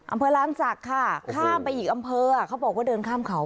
อำเภอลานศักดิ์ค่ะข้ามไปอีกอำเภอเขาบอกว่าเดินข้ามเขา